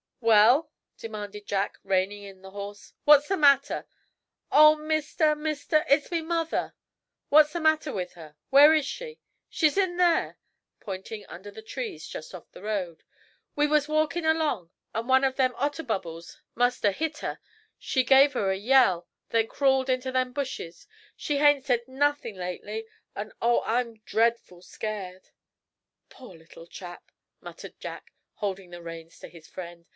"Well," demanded Jack, reining in the horse, "what's the matter?" "Oh, mister, mister! It's me mother!" "What's the matter with her? Where is she?" "She's in there," pointing under the trees just off the road. "We was walkin' along, an' one o' them otterbubbles must ha' hit her. She give a yell, then crawled inter them bushes. She hain't said nuthin' lately an' oh! I'm dreadful scared!" "Poor little chap!" muttered Jack, handing the reins to his friend.